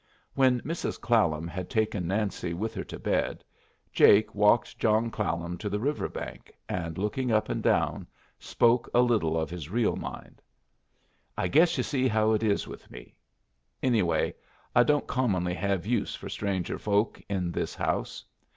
When Mrs. Clallam had taken Nancy with her to bed, Jake walked John Clallam to the river bank, and looking up and down, spoke a little of his real mind. "I guess you see how it is with me. Anyway, I don't commonly hev use for stranger folks in this house.